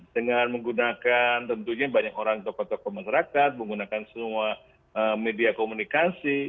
dengan menggunakan tentunya banyak orang tokoh tokoh masyarakat menggunakan semua media komunikasi